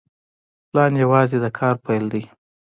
پلان یوازې د کار پیل دی.